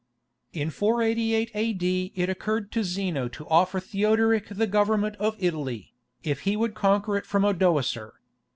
In 488 A.D. it occurred to Zeno to offer Theodoric the government of Italy, if he would conquer it from Odoacer.